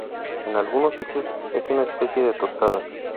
En algunos sitios, es una especie de tostada.